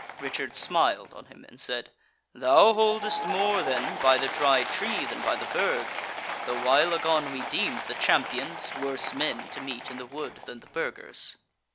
Richard smiled on him, and said: "Thou holdest more then by the Dry Tree than by the Burg; though while agone we deemed the Champions worse men to meet in the wood than the Burgers."